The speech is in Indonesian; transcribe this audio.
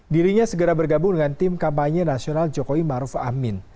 dirinya segera bergabung dengan tim kampanye nasional jokowi maruf amin